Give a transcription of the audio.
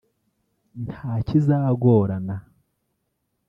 nta kizagorana